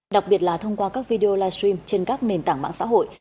đặc biệt là thông qua các video live stream trên các nền tảng mạng xã hội